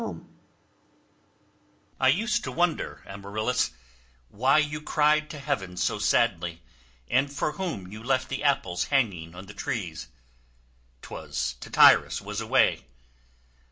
MELIBOEUS I used to wonder, Amaryllis, why You cried to heaven so sadly, and for whom You left the apples hanging on the trees; 'Twas Tityrus was away.